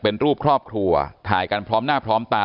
เป็นรูปครอบครัวถ่ายกันพร้อมหน้าพร้อมตา